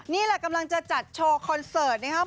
นี่แหละกำลังจะจัดโชว์คอนเสิร์ตนะครับ